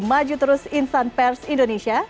maju terus insan pers indonesia